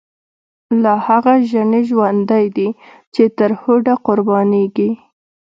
لاهغه ژڼی ژوندی دی، چی ترهوډه قربانیږی